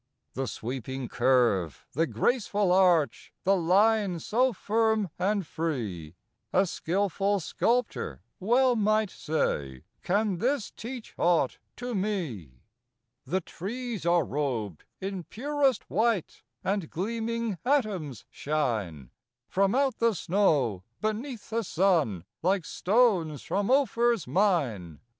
The sweeping curve, the graceful arch, The line so firm and free; A skilful sculptor well might say: "Can this teach aught to me?" The trees are rob'd in purest white, And gleaming atoms shine From out the snow, beneath the sun, Like stones from Ophir's mine.